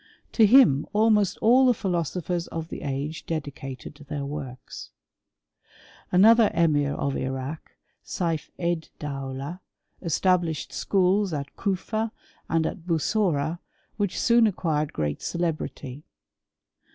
To him almost all the philosophers of the age dedicated their works. Ano ther emir of Irak, Saif £d Daula, established schools at Kufa and at Bussora, which soon acquired great ce lebrity.